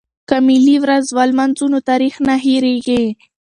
که ملي ورځ ولمانځو نو تاریخ نه هیریږي.